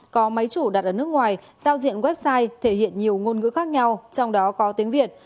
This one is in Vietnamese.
có máy chủ đặt ở nước ngoài giao diện website thể hiện nhiều ngôn ngữ khác nhau trong đó có tiếng việt